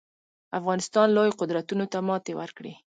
افغانستان لویو قدرتونو ته ماتې ورکړي